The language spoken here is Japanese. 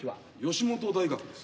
吉本大学です。